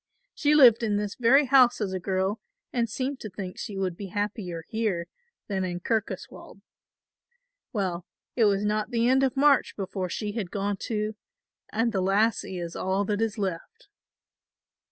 She lived in this very house as a girl and seemed to think she would be happier here than in Kirkoswald. Well, it was not the end of March before she had gone too and the lassie is all that is left."